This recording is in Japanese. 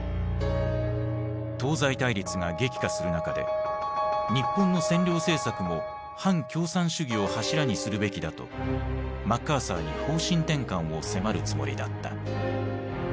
東西対立が激化する中で日本の占領政策も反共産主義を柱にするべきだとマッカーサーに方針転換を迫るつもりだった。